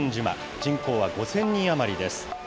人口は５０００人余りです。